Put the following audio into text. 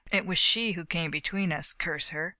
It was she who came between us, curse her